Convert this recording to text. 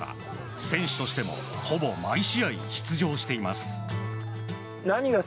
選手としてもほぼ毎試合出場しています。